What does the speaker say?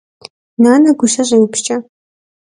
Нанэ гущэр щӏеупскӏэ.